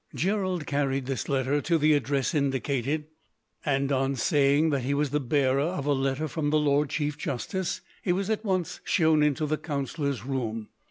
Gerald carried this letter to the address indicated, and on saying that he was the bearer of a letter from the lord chief justice, he was at once shown into the counsellor's room.